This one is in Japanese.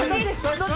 どっち？